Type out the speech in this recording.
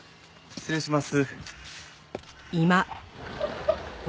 失礼します。